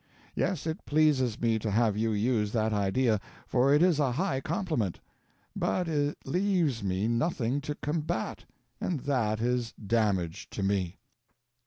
Yes, it pleases me to have you use that idea, for it is a high compliment. But it leaves me nothing to combat; and that is damage to me.